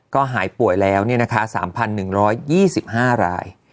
ก็หายป่วยแล้ว๓๑๒๕ราย